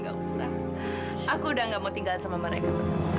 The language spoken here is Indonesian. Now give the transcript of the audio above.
gak usah aku udah gak mau tinggal sama mereka